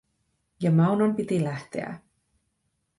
Ja Maunon piti lähteä.